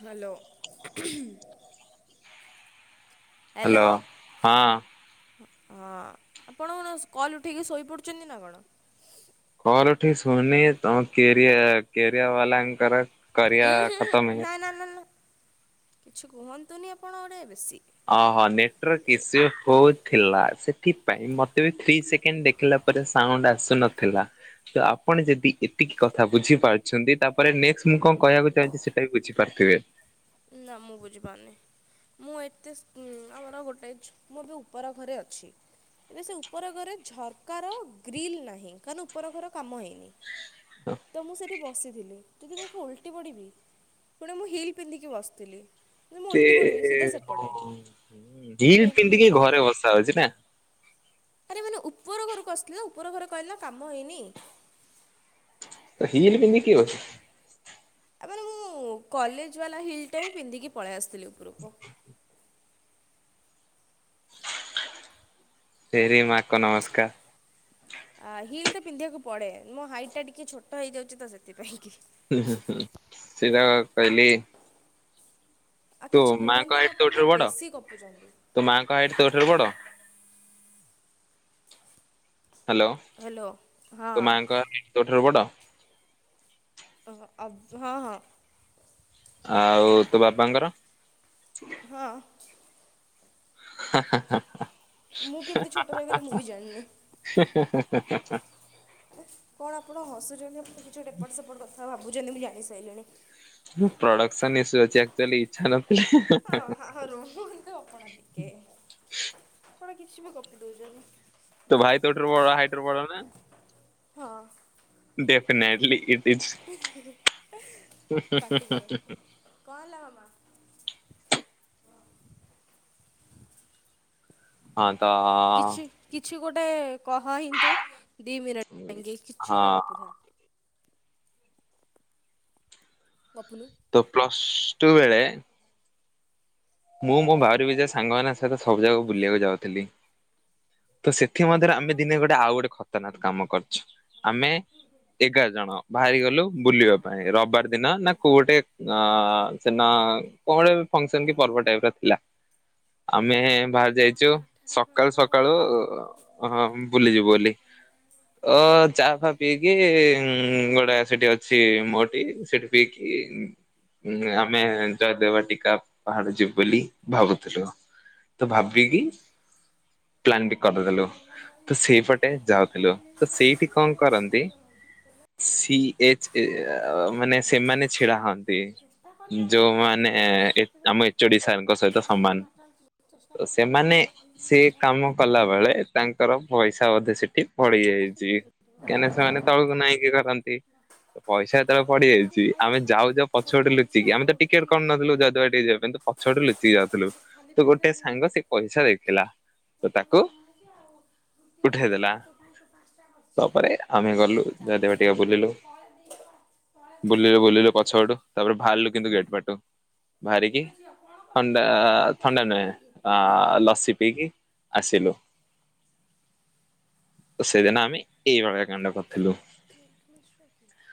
Hello. Hello. ହଁ ହଁ ଆପଣ କଣ କଲ୍ ଉଠିକି ଶୋଇପଡୁଛନ୍ତି ନା କଣ? କଲ ଉଠେଇକି ଶୁନି ତମ କେରୀୟ କେରିୟା ବାଲାଙ୍କର କରିବା ଉଁ ହୁଁ ଖତମ ହୁଁ ହେଇ ନାଇଁ ନା କିଛି କୁହନ୍ତୁନି ଆପଣ ଗୋଟେ ବେଶୀ। ଅହ ନେଟୱର୍କ ଇସ ହଉ ଥିଲା, ସେଥିପାଇଁ ମତେ ବି ଥ୍ରୀ ସେକେଣ୍ଡ ଦେଖିଲା ପରେ ସାଉଣ୍ଡ ଆସୁ ନଥିଲା। ତ ଆପଣ ଯଦି ଏତିକି କଥା ବୁଝିପାରୁଛନ୍ତି ତାପରେ ନେକ୍ସଟ ମୁଁ କଣ କହିବାକୁ ଚାହୁଁଛି ସେଟା ବି ବୁଝିପାରୁଥିବେ। ନା ମୁଁ ବୁଝି ପାରୁନି। ମୁଁ ଏତେ ଆମର ଗୋଟେ ଛୁ ଏ ବି ଉପର ଘରେ ଅଛି। ଏବେ ସେ ଉପର ଘରେ ଝରକାର ଗ୍ରିଲ୍ ନାହିଁ। କାରଣ, ଉପର ଘର କାମ ହେଇନି। ତ, ମୁଁ ସେଇଠି ବସିଥିଲି। ତ [unintelligible] ଓଲଟି ପଡିବି। ପୁଣି ମୁଁ ହିଲ୍ ପିନ୍ଧିକି ବସ୍ ଥିଲି। ମୁଁ ସେ ଉଲ୍ଟି ପଡ଼ିବି ସିଧା ସେପଡେ। ହିଲ୍ ସେଥିପାଇଁ କି ମୁଁ ପିନ୍ଧିକି ଚୁପ୍ ଚାପ୍ ଘରେ ଓଲିବି। ବସା ହଉଛି ନା ଆରେ ମାନେ, ଉପର ଘରକୁ ଆସିଲି ନା, ଉପର ଘର କହିଲି ନା କାମ ହେଇନି। ତ ହିିଲ ପିନ୍ଧି କି ଅଛି। ଆ ମାନେ ମୁଁ କଲେଜ ବାଲା ହିଲଟା ହିଁ ପିନ୍ଧିକି ପଳେଇ ଆସିଥିଲି ଉପରକୁ। ତେରି ମାକୌ ନମସ୍କାର। ଆ ହିଲ୍ ଟା ପିନ୍ଧିବାକୁ ପଡେ ମୋ ହାଇଟ୍ ଟା ଟିକେ ଛୋଟ ହେଇଯାଉଛି ତ ସେଥିପାଇଁ କି। ସେଧା କହିଲି ଆଉ ତୋ କିଛି ମାଆଙ୍କ କୁହନ୍ତୁନି ହାଇଟ୍ ଆପଣ ତୋଠାରୁ ଟିକେ ବଡ? ବେଶୀ ଗପୁଚନ୍ତି। ତୋ ମାଆଙ୍କ ହାଇଟ୍ ତୋଠାରୁ ବଡ? Hello hello. ହଁ ତୋ ମାଙ୍କ ତୋ ଠାରୁ ବଡ? ଆ ହଁ ହଁ। ଆଉ ତୋ ବାପଙ୍କର? ହଁ। [unintelligible] ମୁଁ କେମ୍ତି ଛୋଟ ରହିଗଲି ମୁଁ ବି ଜାଣିନି। [unintelligible] କଣ ଆପଣ ହସୁଛନ୍ତି ଆଣ କିଛି ଏପଟ ସେପଟ କଥା ଭାବୁଛନ୍ତି ମୁଁ ଜାଣି ସାରିଲିଣି। ପ୍ରଡକ୍ସନ ଇସୁ ଅଛି ଆକଚୁଆଲି ଇଛା ନଥିଲେ। ହଁ ହଁ ରୁହଁନ୍ତୁ ଆପଣ ଟିକେ କଣ କିଛି ବି ଗପି ଦଉଛନ୍ତିଛନ୍ତି। ତୋ ଭାଇ ତୋଠାରୁ ହାଇଟରେ ପଡ ନା? ହଁ। ଡେଫିନେଟଲି। ଇଜ ପାଟି କରନା କଣ ହେଲା ମାମା? ହଁ ତ। କିଛି କିଛି ଗୋଟେ କହ ହିନ୍ତୁ ଦି ମିନଟ୍ ପାଇଁକି କିଛି ହଁ ଗୋଟେ ଗପୁଥା। ଗପୁନୁ। ତ ପ୍ଲସ୍ ଟୁ ବେଳେ ମୁଁ ମୋ ଭାଉରି ବିଜା ସାଙ୍ଗମାନଙ୍କ ସହିତ ସବୁ ଜାଗାକୁ ବୁଲିବାକୁ ଯାଉଥିଲି। ତ ସେଥି ମଧ୍ୟରେ ଆମେ ଦିନେ ଗୋଟେ ଆଉ ଗୋଟେ ଖତରନାକ କାମ କରିୁଚୁ। ଆମେ ଏଗାର ଜଣ ବାହାରି ଗଲୁ ବୁଲିବା ପାଇଁ ରବିବାର ଦିନ ନା କୋଉ ଗୋଟେ ନା ସେନା କଡେ ଫସନ କି ପର୍ବ ଟାଇପ ର ଥିଲା ଆମେ ଯାଇଛୁ ସକାଳୁ ସକାଳୁ ହଁ ବୁଲି ଯିବୁ ବୋଲି। ଅ ଚା ଫା ପିଇକି ଗୋଟେ ସେଠି ଅଛି ମୋଟି ସେଠି [unintelligible] ଆମେ ଯାହା ଦେବା ଟିକ ପାହାଡ ଯିବୁ ବୋଲି ଭାବୁଥିଲୁ ତ ଭାବିକି ପ୍ଲାନ ବି କରିଦେଲୁ ତ ସେଇପଟେ ଯାଉଥିଲୁ ତ ସେଇଠି କଣ କରନ୍ତି ହେଲୋ ସି ଏଚ ଏ ମାନେ ସେମାନେ ଛିଡା ହୋନ୍ତି ଯୋଉମାନେ ଏ ଆମ ଏଚ ଓ ଡି ସାରଙ୍କ ସହିତ ସମାନ ତ ସେମାନେ ସେ କାମ କଲା ବେଳେ ତାଙ୍କର ପଇସା ବୋଧେ ସେଠି କି ପଳେଇ ଯାଇଛି କେନେ ସେମାନେ ତଳକୁ ନାଇକି କରନ୍ତି ପଇସା ଯେତେବେଳେ ପଡିଯାଇଛି ଆମେ ଯାଉ ଯାଉ ପଛପଟେ ଲୁଚିକି ଆମେ ତ ଟିକେଟ କରି ନଥିଲୁ ଯ [unintelligible] ଟିକେ ଅ କିନ୍ତୁ ପଛପଟେ ଲୁଚିକି ଯାଉଥିଲୁ ତ ଗୋଟେ ସାଙ୍ଗ ସେ ପଇସା ଦେଇଥିଲା। ତ ତାକୁ ଉଠେଇଦେଲା ତାପରେ ଆମେ ଗଲୁ ଚା ଯଦିବା ବୁଲିଲୁ ଟିକେ ପିଅ [unintelligible] ପଛ ପଟୁ ତାପରେ ବାହାରିଲୁ କିନ୍ତୁ ଗେଟ ପଟୁ ଭାରି। ଥଣ୍ଡା ଥଣ୍ଡା ନୁହେଁ ଅ ଲସି ପିଇକି ଆସିଲୁ ତ ସେଇଦିନ ଆମେ ଏଇ ଭଳିଆ କାଣ୍ଡ କରି ଥିଲୁ। ତୁ ଏତେ [unintelligible]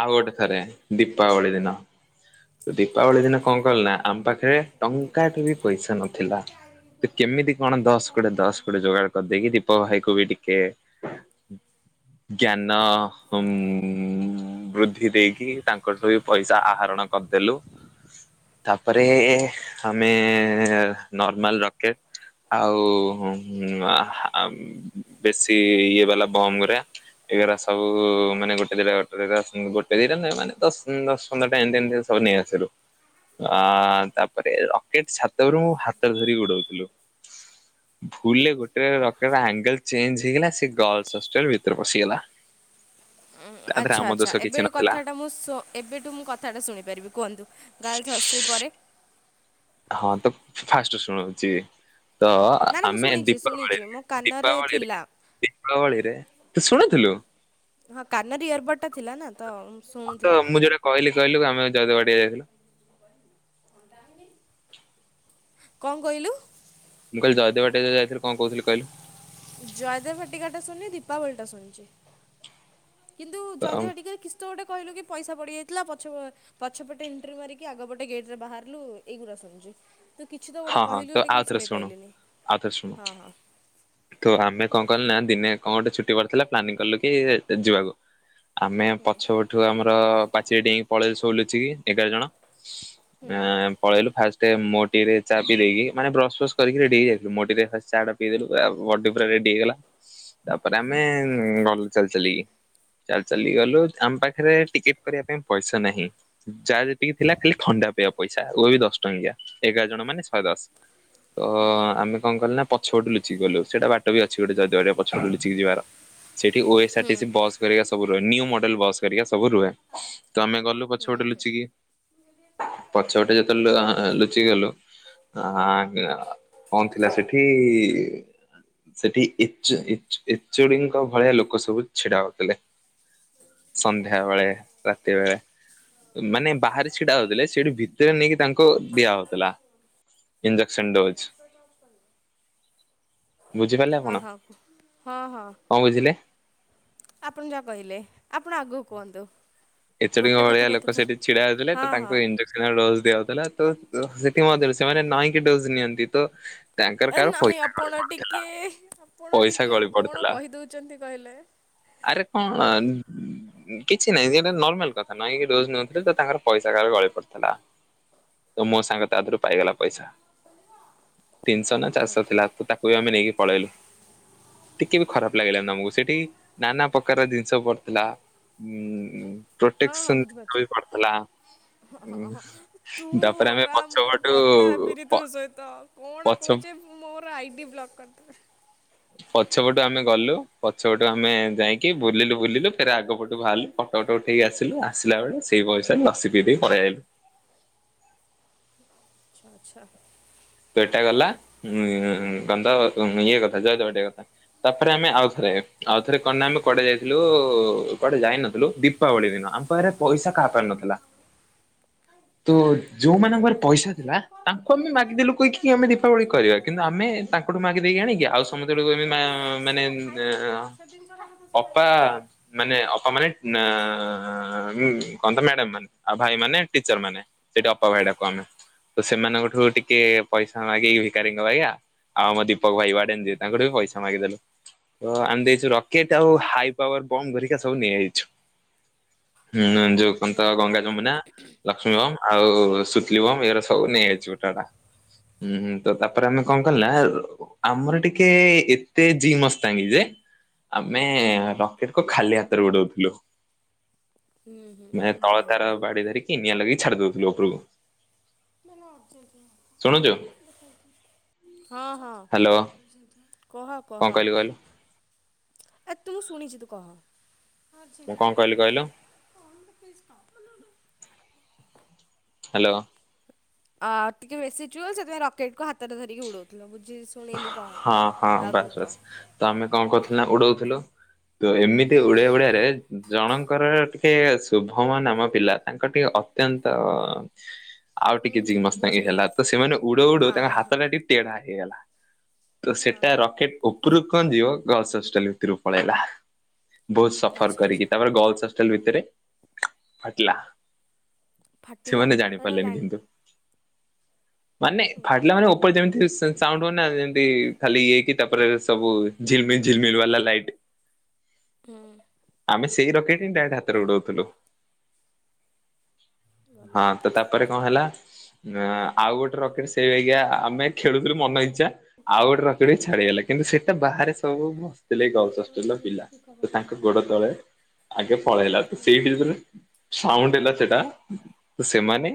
ଆଉ ଗୋଟେ ଥରେ ଦୀପାବଳି ଦିନ ତ ଦୀପାବଳି ଦିନ କଣ କଲି ନା ଆମ ପାଖରେ ଟଙ୍କା ଟେ ବି ପଇସା ନଥିଲା ତ କେମିତି କଣ ଦଶ କୋଡିଏ ଦଶ କୋଡିଏ ଯୋଗାଡ଼ କରିଦେଇକି ଦୀପକ ଭାଇକୁବି ଟିକେ। ଜ୍ଞାନ ବୃଦ୍ଧି ଦେଇକି ତାଙ୍କଠୁ ବି ପଇସା ଆହରଣ କରିଦେଲୁ ତାପରେ ଆମେ ନର୍ମାଲ ରକେଟ ଆଉ ଆଉ ବେଶୀ ଇଏ ବାଲା ବମ୍ ଗୁରା ଏଗୁରା ସବୁ ମାନେ ଗୋଟେ ଦିଟା [unintelligible] ଗୋଟେ ଦିନରେ ନାଇଁ ମାନେ ଦଶ ଦଶ ପନ୍ଦରଟା ଟାଇମ ଏମିତି ସବୁ ନେଇ ଆସିଲୁ ଅ ତାପରେ ରକେଟ ଛାତରୁ ମୁଁ ହାତ ଧରିିକି ଉଡଉଥିଲୁ ଭୁଲ ରେ ଗୋଟେ ରକେଟ ଆଙ୍ଗେଲ ଚେଞ୍ଜ ହେଇଗଲା ସେ ଗାର୍ଲ୍ସ ହଷ୍ଟେଲ ଭିତରେ ପଶିଗଲା [unintelligible] ତାରେ ଆଚ୍ଛା ଆମ ଆଚ୍ଛା ଦୋଷକି ଏବେ କଥାଟା ମୁଁ ଏବେଠୁ ମୁଁ କଥାଟା ଶୁଣିପାରିବି କୁହନ୍ତୁ ଗାର୍ଲସ୍ ହଷ୍ଟେଲ୍ ପରେ ହଁ ତ ଫାଷ୍ଟରୁ ଶୁଣଉଛି ତ ନା ନା ମୁଁ ଆମେ ଶୁଣିଛି ଶୁଣିଛି ଦୀପାବଳିରେ ମୋ କାନରେ ଦୀପାବଳିରେ ଥିଲା। ଦୀପାବଳିରେ ତୁ ଶୁଣୁଥିଲୁ ହଁ କାନରେ ଏୟାରକୋଡ୍ ଟା ଥିଲା ନା ତ ମୁ ହଁ ତ ଶୁଣୁଥିଲି ମୁଁ ଯୋଉଟା କହିଲି କହିଲୁ ଆମେ [unintelligible] ଘଣ୍ଟା ଆଣିଲି କଣ କହିଲୁ? ମୁଁ କହିଲି ଜୟଦେବ ବାଟିକା ଯଉ ଯାଇଥିଲ କଣ କହୁଥିଲି କହିଲୁ ଜୟଦେବ ଭାଟିକା ଟା ଶୁଣିନି ଦୀପାବଳିଟା ଶୁଣିଛିେ କିନ୍ତୁ ତ ଜୟଦେବ ହଁ ଭାଟିକା ତ ଗୋଟେ କହିଲୁ କି ପଇସା ପଡିଯାଇଥିଲା ପଛ- ପଛପଟେ ଏଣ୍ଟ୍ରି ମାରିକି ଆଗପଟେ ଗେଟ ରେ ବାହାରିଲୁ ଏଇଗୁଡା ଶୁଣିଛି ତୁ କିଛି ତ ଗୋଟେ ହଁ କହିଲୁ ତ ବୋଲିକି କି ମୁଁ ଆଉଥରେ ଶୁଣୁ ଶୁଣିପାରିଲିିନି ଆଉଥରେ ଶୁଣୁ। ହଁ ହଁ ତ ଆମେ କଣ କଲୁ ନା ଦିନେ କଣ ଗୋଟେ ଛୁଟି ପଥିଲା ପ୍ଲାନିଂ କଲୁ କି ଯିବାକୁ ଆମେ ପଛ ପଠୁ ଆମର ପାଚିରି ଡେଇଁକି ପଳେଇ ଆସିଲୁ ଲୁଚିକି ଏଗାର ଜଣ ହୁଁ ଆ ପଳେଇଲୁ ଫାଷ୍ଟ ମୋଡିରେ ଚା ପିଇ ଦେଇକି ମାନେ ବ୍ରସ ଫ୍ରସ୍ କରିକି ରେଡି ହେଇଯାଇଥିଲୁ ମୋଡିରେ ଚା ଟା ପିଇଦେଲୁ ଆ ବଡି ପୁରା ରେଡି ହେଇଗଲା ତାପରେ ଆମେ ଘର ଚାଲି ଚାଲିକି ଚାଲି ଚାଲି ଗଲୁ ଆମ ପାଖରେ ଟିକେଟ କରିବା ପାଇଁ ପଇସା ନାହିଁ ଯାହା ଯେତିକି ଥିଲା ଖାଲି ଥଣ୍ଡା ପିଇବା ପଇସା ଉ ବି ଦଶ ଟଙ୍କିଆ ଏଗାର ଜଣ ମାନେ ଶହେ ଦଶ ତ ହୁଁ ଆମେ କଣ କଲେ ନା ପଛପଟୁଚି ଗଲୁ ସେଇଟା ବାଟ ବି ଅଛି ଗୋଟେ ଯଦିଆାରଆ ପଛଟୁ ଲୁଚିକି ଯିବାର। ସେଇଠି ଓ ଏସ୍ ଆର ହୁଁ ଟିସି ବସ୍ କରିକ ସବୁ ରୁହେ ନିୁ ମଡେଲ ବସ କରିକ ସବୁ ରୁହେ ତ ଆମେ ଗଲୁ ପ ହୁଁ ପଛ ହୁଁ ଗଟେ ହୁଁ ଲୁଚିକି ପଛ ଗଟେ ଯେତେଳେ ଲୁଚିକି ଗଲୁ ହଁ କଣ ଥିଲା ସେଠି ସେଠି ଚଚୁଡିଙ୍କ ଭଳିଆ ଲୋକ ସବୁ ଛିଡା ହଉଥିଲେ। ସନ୍ଧ୍ୟାବେେଳେ ରାତି ବେଳେ। ମାନେ ବାହାରେ ସେଟା ହଉଥିଲେ ସେଠି ଭିତରେ ନେଇକି ତାଙ୍କୁ ଦିଆ ହଉଥିଲା। Injection dose. ବୁଝିପାରିଲେ ହଁ ଆପଣ ହଁ କୁହ। ହଁ ହଁ କଣ ବୁଝିଲେ? ଆପଣ ଯା କହିଲେ ଆପଣ ଆଗୁକୁ କୁହନ୍ତୁ। ଏତ ଟୁ ଗୋଟେ କଥା ଭଳିଆ ଲୋକ କହିଥିବେ। ସେଠି ଛିଡା ହେଉଥିଲେ ତ ହଁ ହଁ। ତାଙ୍କୁ ଇଞ୍ଜେସ ଡଜ ଦିଆଉଥିଲା ତ ସେଥିମରେ ସେମାନେ ନାଇଁକି ଡୋଜ ନିଅନ୍ତି ତ ତାଙ୍କର ଏ କାହାର ନାହିଁ ପଇସା ଗଳି ଆପଣ ପଡିଥିଲା ଟିକେ ଆପଣ ପଇସା ଟିକେ ଗଳି କଣ ପଡିଥିଲା କହିଦଉଛନ୍ତି କହିଲେ। ଆରେ କଣ କିଛି ନାଇଁ ନର୍ମାଲ କଥା ନହିଁ ଡୋଜ ନେଉଥିଲେ ତ ତାଙ୍କର ପଇସା କାହାର ଗଳି ପଡିଥିଲା। ତ ମୋ ସାଙ୍ଗ ତା ଦେରୁ ପାଇଗଲା ପଇସା ତିନିଶହ ନା ଚାରିଶହ ଥିଲା। ତାକୁ ବି ଆମେ ନେଇକି ପଳେଇଲୁ। ଟିକେ ବି ଖରାପ ଲାଗିଲାନି ଆମକୁ ସେଠି ନାନା ପ୍ରକାର ଜିନିଷ ପଡିଥିଲା ଉଁ ପ୍ରୋଟେକ୍ସନ ବି ପଡିଥିଲା। ଉଁ ହ ତୁ ତାପରେ ଆମେ ଓରାମ ପଛପଟୁ କଥା ହେବିନି ପ ତୋ ସହିତ। କଣ ପଛ କହୁଛେଁ ମୋର ଆଇ ବ୍ଲକ୍ କରିଦେବେ। ପଛ ପଟୁ ଆମେ ଗଲୁ ପଛ ପଟୁ ଆମେ ଯାଇକି ବୁଲିଲୁ ବୁଲିଲୁ ଫେରେ ଆଗ ପଟୁ ବାହାରିଲୁ। ଫଟୋଟ ଉଠେଇକ ଆସିଲୁ ଆସିଲା ବେଳେ ସେଇ ପଇସାରେ ଲସି ପିଇ ଦେଇକି ପଳେଇଆସିଲୁ। ଆଚ୍ଛା ଆଚ୍ଛା। ତୁ ଏଟା ଗଲା ଉ ଗନ୍ଧ ଇଏ କଥା ଯାଉ ତ ଟେ କଥା। ତାପରେ ଆମେ ଆଉଥରେ ଆଉଥରେ କଣେ ଆମେ କଆଡେ ଯାଇଥିଲୁ କୁଆଡେ ଯାଇନଥିଲୁ ଦୀ ଦୀପାବଳି ଦିନ ଆମ ପାଖରେଇସାହା ପାରୁ ନଥିଲା। [inaudible] ତ ହଁ ହଁ। ଯୋଉମାନଙ୍କରେ ପଇସା ଥିଲା ତାଙ୍କୁ ଆମେ ମାଗିଦେଲୁ କହିକି ଆମେ ଦୀପାବଳି କରିବା କିନ୍ତୁ ଆମ ତାଙ୍କଠୁ ମାକି ଦେଇକି ଆଣିକି ଆଉ ସମସ୍ତେକୁ ହଁ ମାନେ ଅପା। ମାନେ ଅପା ମାନେ କହନ୍ତ ମ୍ୟାଡାମ ମାନେ ଆ ଭାଇ ମାନେ ଟିଚର ମାନେ। ସେଠି ଅପା ଭାଇଟାକୁ ଆମେ ତ ସେମାନଙ୍କଠୁ ଟିକେ ପଇସା ମାଗିକି ଭିକାରୀଙ୍କ ପାଇଁାଇା ଆଉ ଆମ ଦୀପକ ଭାଇ ବାଡେି ତାଙ୍କଠୁ ବି ପଇସା ମାଗିଦେଲୁ। ତ ଆମେ ଦେଇଛୁ ରକେଟ ଆଉ ହାଇ ପାୱାର ବମ୍ ଧରିକା ସବୁ ନିଆଯାଇଛୁ। ହୁଁହୁଁ ଯଉ ତ ଗଙ୍ଗା ଯମୁନା ଲକ୍ଷ୍ମୀ ବମ୍ ଆଉ ସୁତଲି ବମ୍ ଏଇର ସବୁ ନେଇଯାଇଛି ଗୋଟେଟା। ହୁଁ ହୁଁ ତ ତାପରେ ଆମେ କଣ କ ନା ଆମର ଟିକେ ଏତେ ଜି ମସ୍ତାଙ୍ଗୀ ଯେ ଆମେ ରକେଟ କ ଖାଲି ହାତରେ ଉଡଉଥିଲୁ। ହୁଁ ହୁଁ ମାନ ଭଲ ତଳ ତାର ଭଲ। ବାଡି ଧରିକି ନିଆଁ ଲାଗି ଛାଡି ଦଉଥିଲୁ ଉପରକୁ। ଶୁଣୁଛୁ ହଁ ହଁ। ହ୍ୟାଲୋ କହ କହ। କଣ କହିଲି କହିଲୁ ଏ ତୁ ସୁଣିଛି ତୁ କହ। ମୁଁ କଣ କହିଲି କହିଲୁ [unintelligible] ହ୍ୟାଲୋ। ଆ ଟିକେ ବେୁ ସୋଇଁ ରକେଟ କୁ ହାତରେ ଧରିକି ଉଡଉଥିଲ ଶୁଣିଲି କହ ହଁ ହଁ ଆଗକୁ ବାସ୍ ବାସ୍ କହ। ତ ଆମେ କଣ କରଥିଲୁ ନା ଉଡଉଥିଲୁ ତ ଏମିତି ହୁଁ ଉଡିଆ ଓଡିଆରେ ଜଣଙ୍କର ଟିକେ ଶୁଭମ ନାମ ପିଲା ତାଙ୍କର ଟିକେ ଅତ୍ୟନ୍ତ ଆଉ ହୁଁ ଟିକେ ଜି ହୁଁ ମସ୍ତାଙ୍ଗି ବୁଝିଗଲି। ହେଲା ତ ସେମାନେ ଉଡଉ ଉଡଉ ଆ ତାଙ୍କ ହାତ ହଁ। ଟା ଟିକେ ତେଢା ହେଇଗଲା। ତ ହଁ ସେଟା ରକେଟ ଉପୁରୁ କଣ ଯିବ ଗର୍ଲସ ହଷ୍ଟେଲ ଭିତରକୁ ପଳେଇଲା। ବହୁତ ସଫର ଆଚ୍ଛା ଆଚ୍ଛା କରିକି ତାପରେ ଗଲସ ହଷ୍ଟେଲ ଭିତରେ ଫାଟିଲା। ଫାଟିଲା ସେମାନେ ଏଇଟା ଜାଣିପାରିଲେନି ଲାଇନ୍ ୱା କିନ୍ତୁ। ମାନେ ହୁଁ ଫାଟିଲା ମାନେ ଉପରେ ଯେମିତି ସେ ସାଉଣ୍ଡ। ହୁଏନା ଯେମତି ଖାଲି ଇଏ ହେଇ କି ତାପରେ ସବୁ ଝିଲ ମିଲ ଝିଲ ମିଲ ବାଲା ଲାଇଟ୍। ହୁଁ। ଆମେ ସେଇ ରକେଟ ହିଁ ଡାଇରେକ୍ଟ ହାତରେ ଉଡଉ ଥିଲୁ ଭଲ ହଁ ଭଲ। ତ ତା। ତାପରେ କଣ ହେଲା ଆଁ ଆଉ ଗୋଟେ ରକେଟ ସେଇ ବାଗିଆ ଆମେ ଖେଳୁଥିଲୁ ମନ ଇଛା ‌। ଆଉ ଗୋଟେ ରକେଟ ବି ଛାଡିଗଲା କିନ୍ତୁ ସେଇଟା ବାହାରେ ସବୁ ବ ସି ଥିଲେ ଗଲ ହଷ୍ଟେଲ ର ପିଲା ତ ତାଙ୍କ ଗୋଡ ତଳେ ଆଗେ ପଳେଇଲା ତ ହୁଁ। ସେଇ ଭିତରେ। ସାଉଣ୍ଡ ହେଲା ସେଟା ତ ସେମାନେ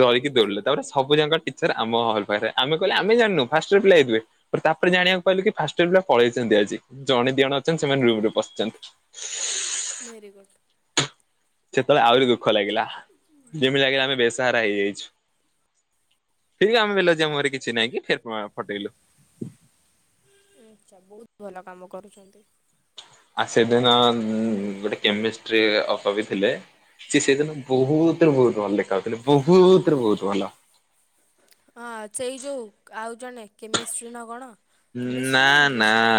ଡରିକି ଦୌଡିଲେ ତାପରେ ସବୁ ଜାଙ୍କ ଟିଚର। ଆମ ହଲ ପାଖରେ ଆମେ କହିଲୁ ଆମେ ଜାଣିନୁ ଫାଷ୍ଟୟର ପିଲା ହେଇଥିବେ। ସେଠୁ ତାପରେ ଜାଣିବାକୁ ପାଇିଲୁ କି ଫାଷ୍ଟୟର ପିଲା ପଳେଇଛନ୍ତି ଆଜି ଜଣେ ଦି ଜଣ ଅଛନ୍ତି ସେମାନେ ରୁମ ରେ ପସିଛନ୍ତି। Very good. ସେତେବେଳେ ଆହୁରି ଦୁଃଖ ଲାଗିଲା ଯେମିତି ଲାଗିଲା ଆମେ ବେସାହାରା ହେଇଯାଇଛୁ। ଠିକ ଆମେ ବେଲଜ୍ୟା ମୁହଁ ରେ କିଛି ନାଇଁ କି ଫେରେ ଆଁ ପଠେଇଲୁ। ଆଛା ବହୁତ ଭଲ କାମ କରୁଛନ୍ତି। ଆଉ ସେଦିନ ଉଁ ଗୋଟେ କେମିଷ୍ଟ୍ରି ଅପା ବି ଥିଲେ ସି ସେଦିନ। ବହୁତ ରେ ବହୁତ ଭଲ ଦେଖା ଯାଉଥିଲେ ବହୁତରେ ବହୁତ ଭଲ। ହଁ ସେଇ ଯୋଉ ଆଉ ଜଣେ କେମେଷ୍ଟ୍ରି ନା କଣ। ଉଁ କେମିଷ୍ଟ୍ରି ନା ନା। ଇଂଲିଶ କଣ?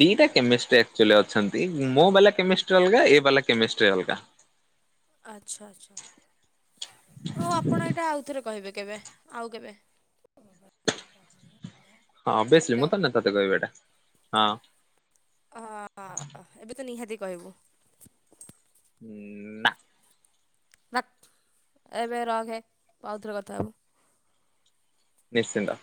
ଦିଟା କେମିଷ୍ଟ୍ରି ଆକଚୁଆଲି ଅଛନ୍ତି ମୋ ବାଲା କେମିଷ୍ଟ୍ରି ଅଲଗା ଏ ବାଲା କେମିଷ୍ଟ୍ରି ଅଲଗା। ଆଚ୍ଛା ଆଚ୍ଛା। ହଉ ଆପଣ ଏଇଟା ଆଉଥରେ କହିବେ କେବେ ଆଉ କେବେ। [unintelligible] ହଁ ବେସି ହ୍ୟାଲୋ। ମୁଁ ତ ନାଇଁ ତତେ କହିବାଟା। ହ ଅ ଅ ଏବେ ତ ନିହାତି କହିବୁ। ହୁଁ। ବାପ୍ ଏବେ ରଖେ ତୁ ଆଉ ଥରେ କଥା ହବୁ। ନିଶ୍ଚିନ୍ତ।